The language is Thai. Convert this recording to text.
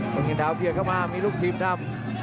คนกินท้าพยายามเข้ามามีลูกทีมดำ